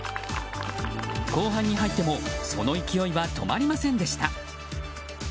後半に入っても、その勢いは止まりませんでした。